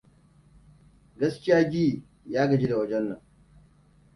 Gaskiya Gee, ya gaji da wajen nan!